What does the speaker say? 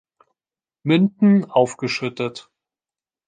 Münden aufgeschüttet.